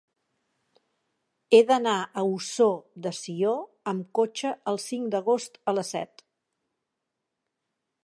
He d'anar a Ossó de Sió amb cotxe el cinc d'agost a les set.